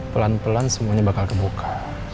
pelan pelan semuanya bakal kebuka